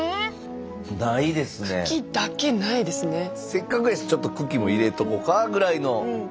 せっかくやしちょっと茎も入れとこかぐらいの。